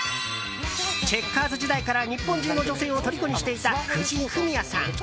チェッカーズ時代から日本中の女性をとりこにしていた藤井フミヤさん。